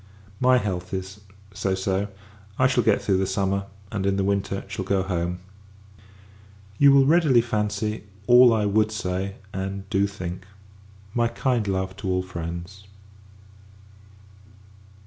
My health is so, so! I shall get through the summer; and, in the winter, shall go home. You will readily fancy all I would say, and do think. My kind love to all friends.